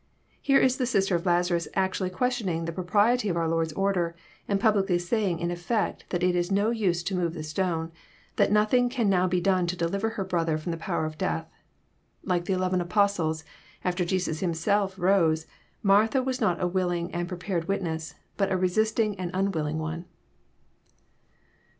Here is the sister of Lazarus actually questioning the propriety of our Lord*8 order, and publicly saying in effect that it is no use to move the stone, that nothing can now be done to deliver her brother from the power of death. Like the eleven Apostles, after Jesus Himself rose, Martha was not a willing and prepared witness, but a resisting and unwilling one.